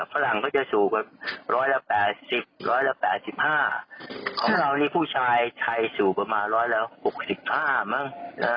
ฝรั่งจะสูบกว่าร้อยละ๘๐๘๕ของเราผู้ชายสูบกว่าร้อยละ๖๕มั้ง